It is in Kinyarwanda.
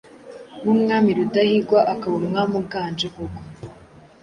nk'umwami Rudahigwa akaba umwami uganje koko